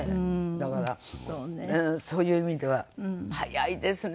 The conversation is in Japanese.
だからそういう意味では早いですねでもね。